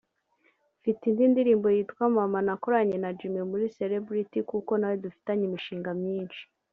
Mfite indi ndirimbo yitwa ’Mama’ nakoranye na Jimmy muri Celebrity kuko nawe dufitanye imishinga myinshi